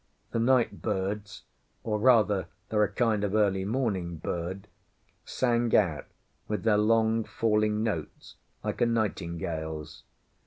The night birds—or, rather, they're a kind of early morning bird—sang out with their long, falling notes like nightingales.